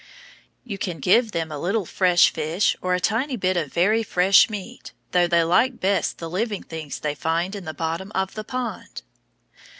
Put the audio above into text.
You can give them a little fresh fish or a tiny bit of very fresh meat, though they like best the living things they find in the bottom of the pond.